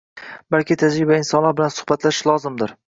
Balki tajribali insonlar bilan suhbatlashish lozimdir.